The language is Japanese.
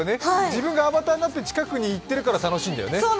自分がアバターになって、近くに行ってるから、楽しいんだよね？